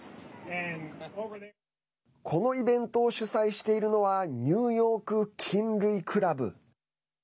このイベントを主催しているのはニューヨーク菌類クラブ。